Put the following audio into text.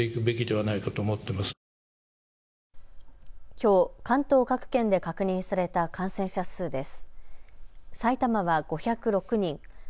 きょう、関東各県で確認された感染者数です。